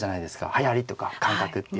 はやりとか感覚っていうのが。